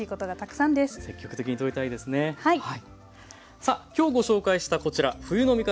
さあ今日ご紹介したこちら「冬の味方！